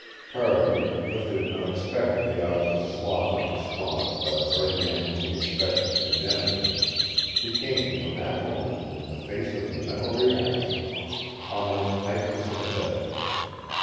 Cardigan, lifted unexpectedly out of the slough of despond by the very man whom he expected to condemn him, became from that moment, in the face of the mental reaction, almost hypersympathetic.